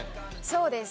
そうです。